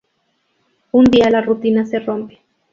Un día la rutina se rompe.